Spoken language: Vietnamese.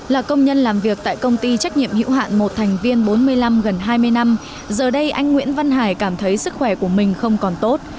là công nhân làm việc tại công ty trách nhiệm hữu hạn một thành viên bốn mươi năm gần hai mươi năm giờ đây anh nguyễn văn hải cảm thấy sức khỏe của mình không còn tốt